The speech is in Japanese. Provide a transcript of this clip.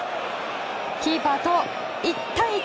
キーパーと１対１。